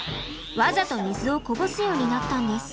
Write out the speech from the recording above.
わざと水をこぼすようになったんです。